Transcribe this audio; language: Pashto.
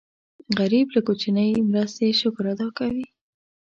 غریب له کوچنۍ مرستې شکر ادا کوي